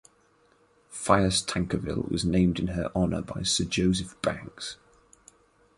Phaius tankerville was named in her honour by Sir Joseph Banks.